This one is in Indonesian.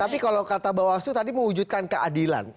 tapi kalau kata bahwa itu tadi mewujudkan keadilan